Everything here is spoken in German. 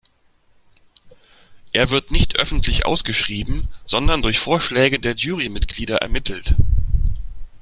Er wird nicht öffentlich ausgeschrieben, sondern durch Vorschläge der Jurymitglieder ermittelt.